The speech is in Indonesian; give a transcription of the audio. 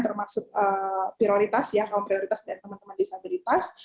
termasuk prioritas ya kawan prioritas dan teman teman disabilitas